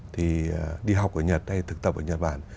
thì đi học ở nhật hay thực tập ở nhật bản